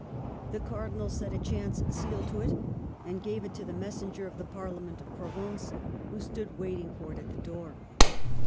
The Cardinal set a chance seal to it, and gave it to the messenger of the Parliament of Provence, who stood waiting for it at the door.